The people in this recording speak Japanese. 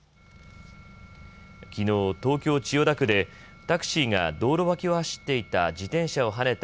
きのう東京千代田区でタクシーが道路脇を走っていた自転車をはねた